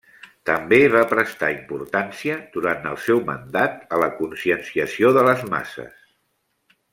També va prestar importància durant el seu mandat a la conscienciació de les masses.